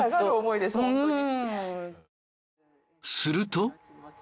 すると。